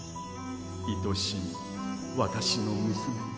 愛しい私の娘